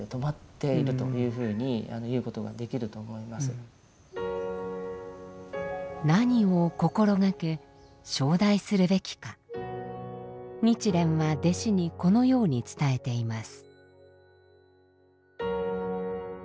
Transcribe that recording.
実際に戯論はその何を心掛け唱題するべきか日蓮は弟子にこのように伝えています。